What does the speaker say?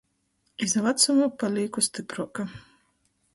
Iz vacumu palīku stypruoka.